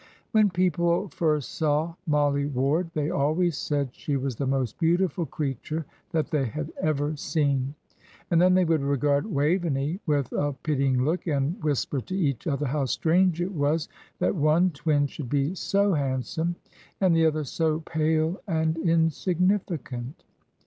When people first saw Mollie Ward they always said she was the most beautiful creature that they had ever seen; and then they would regard Waveney with a pitying look, and whisper to each other how strange it was that one twin should be so handsome and the other so pale and insignificant.